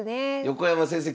横山先生